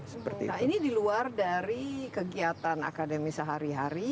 nah ini di luar dari kegiatan akademi sehari hari